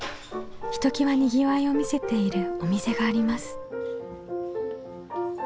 ひときわにぎわいを見せているお店があります。